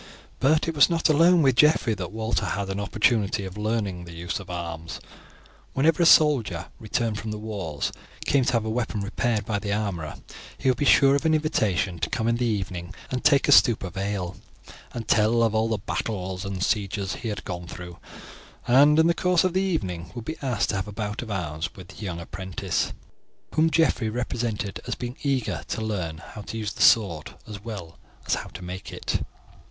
But it was not alone with Geoffrey that Walter had an opportunity of learning the use of arms. Whenever a soldier, returned from the wars, came to have a weapon repaired by the armourer, he would be sure of an invitation to come in in the evening and take a stoup of ale, and tell of the battles and sieges he had gone through, and in the course of the evening would be asked to have a bout of arms with the young apprentice, whom Geoffrey represented as being eager to learn how to use the sword as well as how to make it.